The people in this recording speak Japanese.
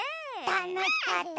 たのしかった。